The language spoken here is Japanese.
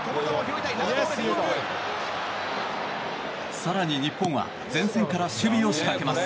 更に日本は前線から守備を仕掛けます。